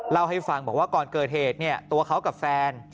เล่าให้ฟังบอกว่าก่อนเกิดเหตุตัวเขากับแฟน